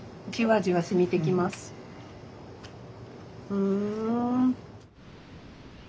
ふん。